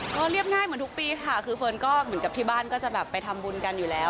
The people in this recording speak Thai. ก็เรียบง่ายเหมือนทุกปีค่ะคือเฟิร์นก็เหมือนกับที่บ้านก็จะแบบไปทำบุญกันอยู่แล้ว